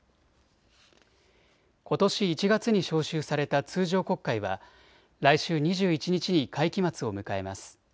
ことし１月に召集された通常国会は来週２１日に会期末を迎えます。